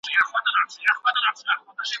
استاد د ليکني بڼه ولي سموي؟